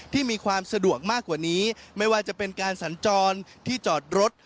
มีความสะดวกมากกว่านี้ไม่ว่าจะเป็นการสัญจรที่จอดรถ